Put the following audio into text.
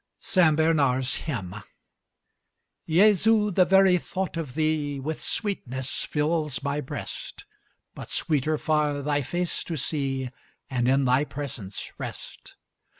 SAINT BERNARD'S HYMN Jesu! the very thought of thee With sweetness fills my breast, But sweeter far thy face to see And in thy presence rest.